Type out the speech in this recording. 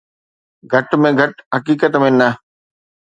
گهٽ ۾ گهٽ حقيقت ۾ نه.